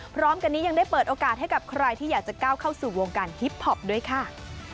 พร้อมกันนี้ยังได้เปิดโอกาสให้กับใครที่อยากจะก้าวเข้าสู่วงการฮิปพอปด้วยค่ะ